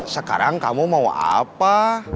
sekarang kamu mau apa